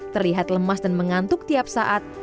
terlihat lemas dan mengantuk tiap saat